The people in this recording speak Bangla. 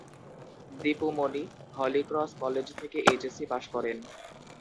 দীপু মনি হলিক্রস কলেজ থেকে এইচএসসি পাস করেন।